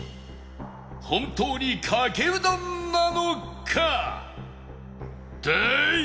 本当にかけうどんなのか？